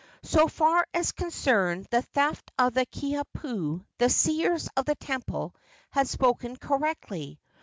So far as concerned the theft of the Kiha pu, the seers of the temple had spoken correctly.